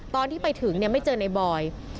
ตอนที่ไปถึงไม่เจอในบอย